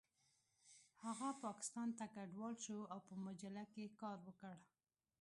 هغه پاکستان ته کډوال شو او په مجله کې یې کار وکړ